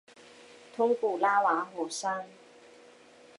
通古拉瓦火山。